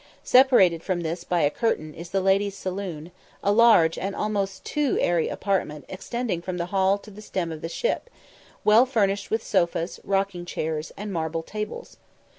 Separated from this by a curtain is the ladies' saloon, a large and almost too airy apartment extending from the Hall to the stem of the ship, well furnished with sofas, rocking chairs, and marble tables.